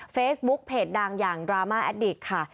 เฟซบุ๊กเพจดังอย่างดราม่าแอดดิกค่ะ